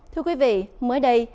thưa quý vị mới đây